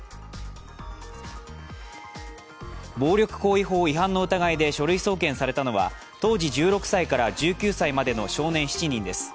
暴力行為法違反の疑いで書類送検されたのは当時１６歳から１９歳までの少年７人です。